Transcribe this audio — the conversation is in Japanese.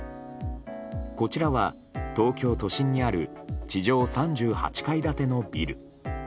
こちらは東京都心にある地上３８階建てのビル。